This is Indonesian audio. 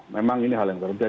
memang ini hal yang terjadi